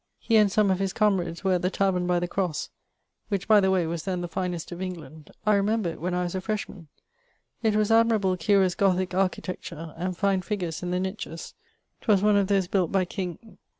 He and some of his camerades were at the taverne by the crosse,[L.] (which by the way was then the finest of England; I remember it when I was a freshman: it was admirable curious Gothique architecture, and fine figures in the niches: 'twas one of those built by king